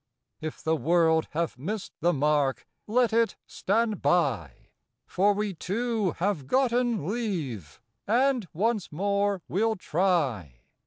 If the world have missed the mark, let it stand by, For we two have gotten leave, and once more we 'll try.